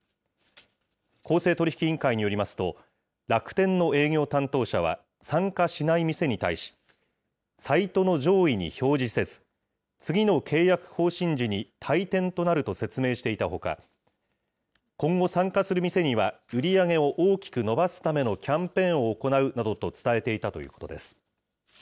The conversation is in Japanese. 公正取引委員会によりますと、楽天の営業担当者は、参加しない店に対し、サイトの上位に表示せず、次の契約更新時に退店となると説明していたほか、今後、参加する店には売り上げを大きく伸ばすためのキャンペーンを行うなどと伝えていたということです。